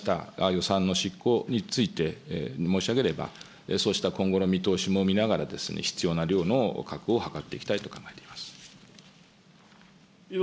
予算の執行について申し上げれば、そうした今後の見通しも見ながら、必要な量の確保を図っていきたいと考えています。